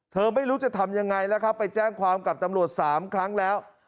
ไม่รู้จะทำยังไงแล้วครับไปแจ้งความกับตำรวจ๓ครั้งแล้ว